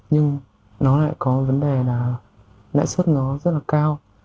nhưng nó lại có vấn đề là lãi suất nó rất là cao